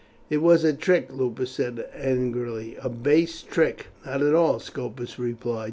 "It was a trick," Lupus said angrily, "a base trick." "Not at all," Scopus replied.